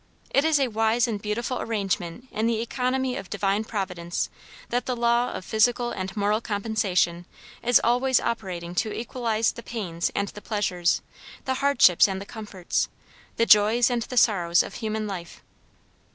It is a wise and beautiful arrangement in the economy of Divine Providence that the law of physical and moral compensation is always operating to equalize the pains and the pleasures, the hardships and the comforts, the joys and the sorrows of human life.